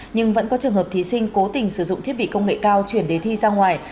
nhưng vẫn có trường hợp thí sinh cố tình sử dụng thiết bị công nghệ cao chuyển đề thi ra ngoài